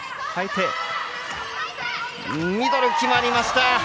ミドル、決まりました。